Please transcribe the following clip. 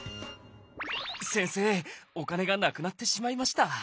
先生お金がなくなってしまいました。